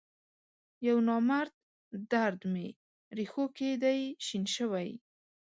یونامرد درد می رېښوکې دی شین شوی